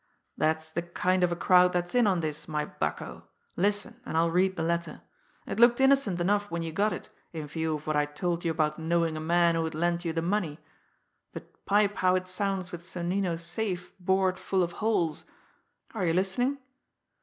"That's the kind of a crowd that's in on this, my bucko! Listen, and I'll read the letter. It looked innocent enough when you got it, in view of what I told you about knowing a man who would lend you the money. But pipe how it sounds with Sonnino's safe bored full of holes. Are you listening?